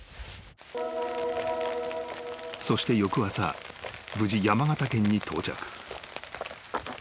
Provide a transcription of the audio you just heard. ［そして翌朝無事山形県に到着］